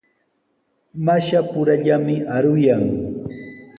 Mashapurallami aruyan.